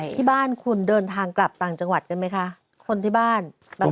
ที่บ้านคุณเดินทางกลับต่างจังหวัดกันไหมคะคนที่บ้าน